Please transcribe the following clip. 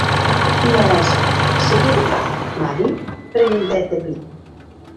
Mès, se qué te cau, Mary?, preguntèc de pic.